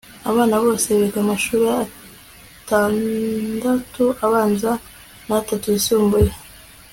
abana bose biga amashuri atandatu abanza n'atatu yisumbuye (ybe